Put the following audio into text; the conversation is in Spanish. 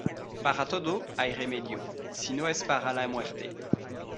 Para todo hay remedio, si no es para la muerte.